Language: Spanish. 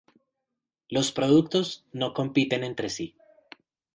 Los productos no compiten entre sí.